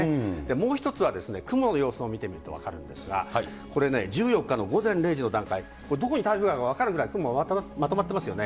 もう一つは雲の様子を見てみると分かるんですが、これね、１４日の午前０時の段階、これ、どこに台風があるか分かるぐらい雲まとまってますよね。